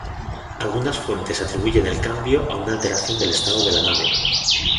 Algunas fuentes atribuyen el cambio a una alteración del estado de la nave.